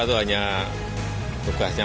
itu hanya tugasnya